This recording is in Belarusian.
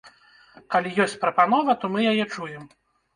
Калі ёсць прапанова, то мы яе чуем.